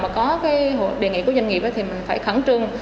của hồ sơ